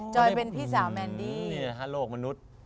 จอยเป็นพี่สาวแมนดี้โลกมนุษย์